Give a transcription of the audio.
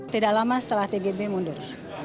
tidak lama setelah tgb mundur